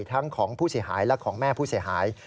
ทั้งของผู้เสียหายและของแม่ผู้เสียหาย